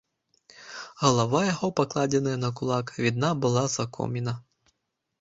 Галава яго, пакладзеная на кулак, відна была з-за коміна.